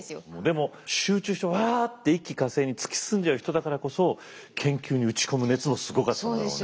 でも集中してわあって一気呵成に突き進んじゃう人だからこそ研究に打ち込む熱もすごかっただろうね。